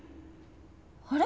あれ？